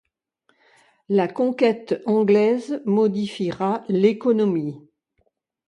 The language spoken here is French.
La conquête anglaise modifiera l’économie.